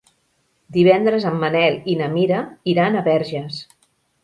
Divendres en Manel i na Mira iran a Verges.